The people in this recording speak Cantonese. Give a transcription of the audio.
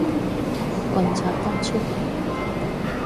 碌棍拆得出嚟